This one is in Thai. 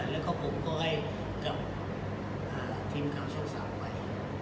แล้วก็ผมก็ให้กลับทีมกล่าวชั่วสารไป